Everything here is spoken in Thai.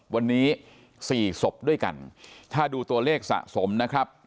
วันนี้สี่ศพด้วยกันถ้าดูตัวเลขสะสมนะครับ